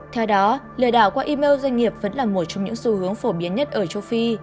theo đó lừa đảo qua email doanh nghiệp vẫn là một trong những xu hướng phổ biến nhất ở châu phi